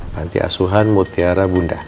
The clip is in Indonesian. pantai asuhan mutiara bunda